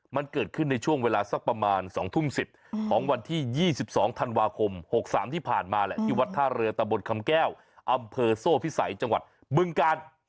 มันเกิดขึ้นในช่วงเวลาสักประมาณ๒ทุ่ม๑๐ของวันที่๒๒ธันวาคม๖๓ที่ผ่านมาแหละที่วัดท่าเรือตะบนคำแก้วอำเภอโซ่พิสัยจังหวัดบึงกาล